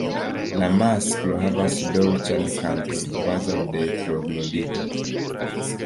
La masklo havas dolĉan kanton kvazaŭ de Troglodito.